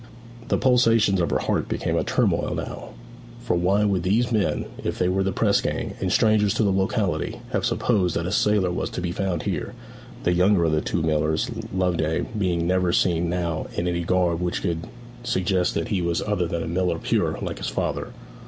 The pulsations of her heart became a turmoil now, for why should these men, if they were the press gang, and strangers to the locality, have supposed that a sailor was to be found here, the younger of the two millers Loveday being never seen now in any garb which could suggest that he was other than a miller pure, like his father?